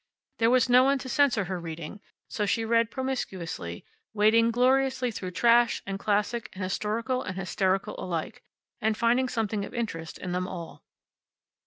There was no one to censor her reading, so she read promiscuously, wading gloriously through trash and classic and historical and hysterical alike, and finding something of interest in them all.